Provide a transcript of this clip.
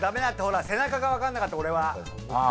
背中が分かんなかった俺は。